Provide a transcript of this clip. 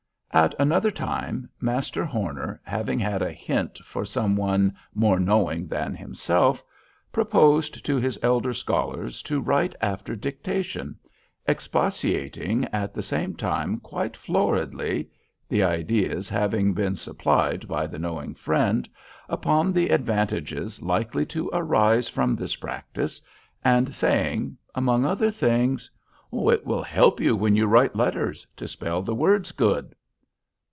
At another time, Master Horner, having had a hint from some one more knowing than himself, proposed to his elder scholars to write after dictation, expatiating at the same time quite floridly (the ideas having been supplied by the knowing friend), upon the advantages likely to arise from this practice, and saying, among other things, "It will help you, when you write letters, to spell the words good."